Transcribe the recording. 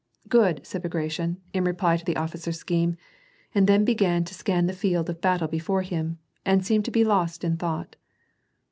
"Good," said Bagration, in reply to the officer's scheme, and then began to scan the field of battle before him, and seemed to be lost in thought.